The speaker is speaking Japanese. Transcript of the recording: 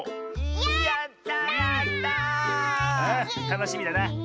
たのしみだな。